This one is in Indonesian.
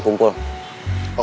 kumpul oke akan manggil saya